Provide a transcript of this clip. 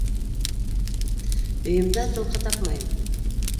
Өйөмдә толҡа тапмайым.